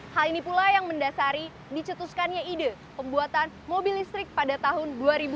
hal ini pula yang mendasari dicetuskannya ide pembuatan mobil listrik pada tahun dua ribu dua puluh